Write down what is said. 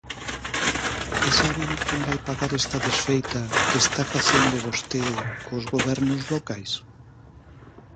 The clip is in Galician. ¿E saben quen vai pagar esta desfeita que está facendo vostede cos gobernos locais?